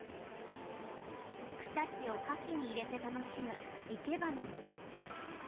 草木を花器に入れて楽しむいけばな。